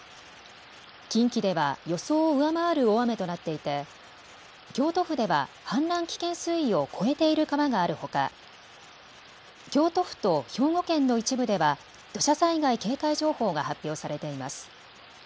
近畿では予想を上回る大雨となっていて京都府は氾濫危険水位を超えている川があるほか京都府と兵庫県の一部では土砂災害警戒情報が発表されています。